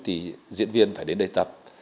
thì diễn viên phải đến đây tập